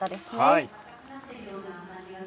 はい。